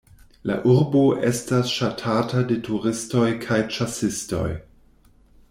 La urbo estas ŝatata de turistoj kaj ĉasistoj.